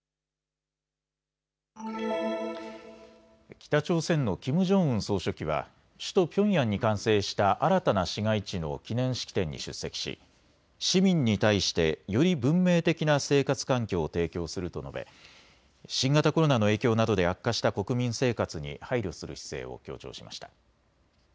北朝鮮のキム・ジョンウン総書記は首都ピョンヤンに完成した新たな市街地の記念式典に出席し、市民に対してより文明的な生活環境を提供すると述べ新型コロナの影響などで悪化した国民生活に配慮する姿勢を強調しました。